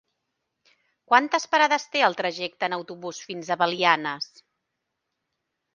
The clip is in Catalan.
Quantes parades té el trajecte en autobús fins a Belianes?